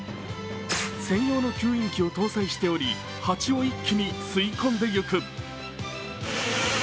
専用の吸引機を搭載しており、蜂を一気に吸い込んでいく。